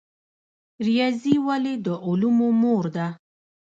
ریاضي ولې د علومو مور ده؟